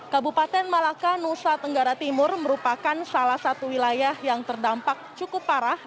kabupaten malaka nusa tenggara timur merupakan salah satu wilayah yang terdampak cukup parah